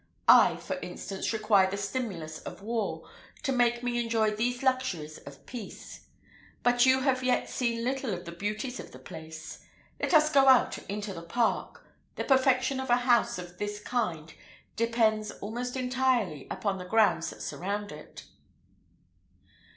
I, for instance, require the stimulus of war, to make me enjoy these luxuries of peace. But you have yet seen little of the beauties of the place. Let us go out into the park. The perfection of a house of this kind depends, almost entirely, upon the grounds that surround it."